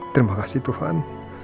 terima kasih tuhan